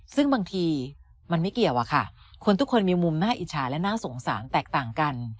ซึ่งบางทีมันไม่เกี่ยวอะค่ะคนทุกคนมีมุมน่าอิจฉาและน่าสงสารแตกต่างกัน